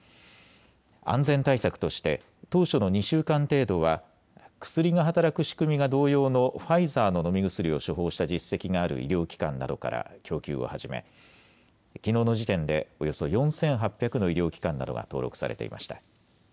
安全対策として当初の２週間程度は薬が働く仕組みが同様のファイザーの飲み薬を処方した実績がある医療機関などから供給を始めきのうの時点でおよそ４８００の医療機関などが登録されていました。